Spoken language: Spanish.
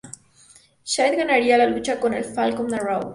Shida ganaría la lucha con el "Falcon Arrow".